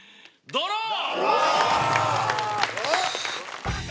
ドロー。